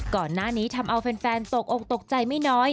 ก่อนหน้านี้ทำเอาแฟนตกอกตกใจไม่น้อย